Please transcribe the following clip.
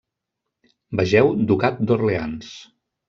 Vegeu Ducat d'Orleans.